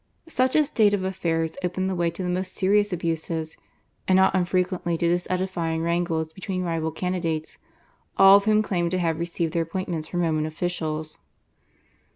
Such a state of affairs opened the way to the most serious abuses, and not unfrequently to disedifying wrangles between rival candidates, all of whom claimed to have received their appointments from Roman officials.